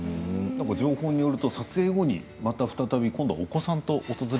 情報によると撮影後にまた再び今度お子さんと訪れたりと。